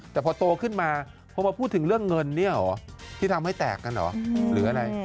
แต่พอโตขึ้นมาพอมาพูดถึงเรื่องเงินเนี่ยเหรอที่ทำให้แตกกันเหรอหรืออะไร